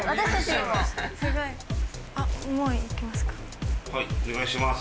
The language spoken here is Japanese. はいお願いします。